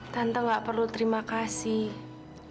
tante gak perlu terima kasih